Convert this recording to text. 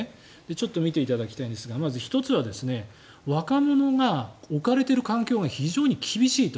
ちょっと見ていただきたいんですがまず１つは若者が置かれている環境が非常に厳しいと。